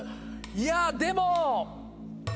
いやでも。